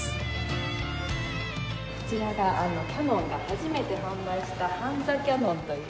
こちらがキヤノンが初めて販売したハンザ・キヤノンという。